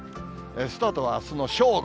スタートは、あすの正午。